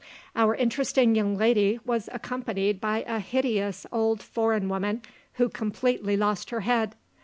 Our interesting young lady was accompanied by a hideous old foreign woman who completely lost her head.